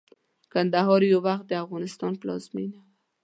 کندهار يٶوخت دافغانستان پلازمينه وه